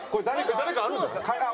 誰かあるんですか？